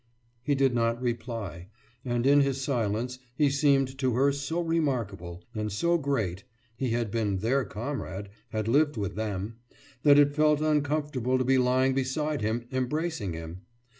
« He did not reply, and in his silence he seemed to her so remarkable and so great (he had been Their comrade, had lived with Them) that it felt uncomfortable to be lying beside him, embracing him.